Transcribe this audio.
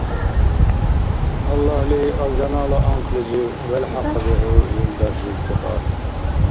Аллагьли алжанала анхълизив велхӀахъаби хӀу, юлдаш Зулпикьар!